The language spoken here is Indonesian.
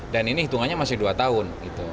dan ini hitungannya masih dua tahun